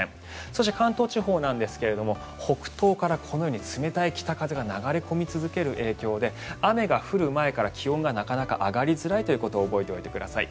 そして関東地方なんですが北東からこのように冷たい北風が流れ込み続ける影響で雨が降る前から気温がなかなか上がりづらいということを覚えておいてください。